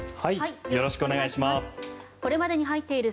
よろしくお願いします。